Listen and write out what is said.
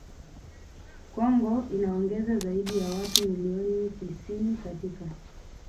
Kongo inaongeza zaidi ya watu milioni tisini katika